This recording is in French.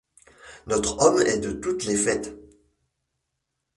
Notre homme est de toutes les fêtes.